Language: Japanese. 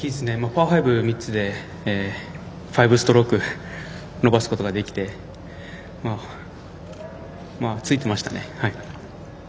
パー５、３つで５ストローク伸ばすことができてついてましたね。